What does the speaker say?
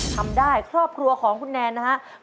ทำได้ครอบครัวของคุณแนนนะครับ